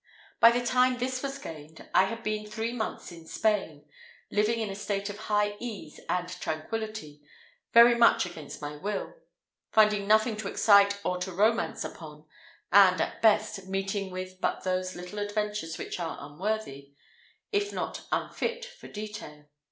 By the time this was gained, I had been three months in Spain, living in a state of high ease and tranquillity, very much against my will; finding nothing to excite or to romance upon; and, at best, meeting with but those little adventures which are unworthy, if not unfit for detail.